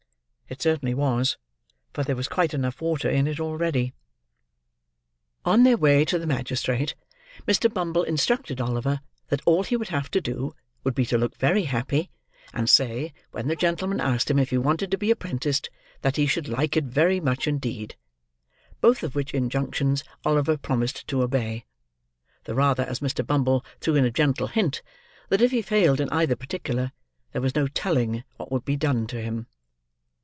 It certainly was, for there was quite enough water in it already. On their way to the magistrate, Mr. Bumble instructed Oliver that all he would have to do, would be to look very happy, and say, when the gentleman asked him if he wanted to be apprenticed, that he should like it very much indeed; both of which injunctions Oliver promised to obey: the rather as Mr. Bumble threw in a gentle hint, that if he failed in either particular, there was no telling what would be done to him.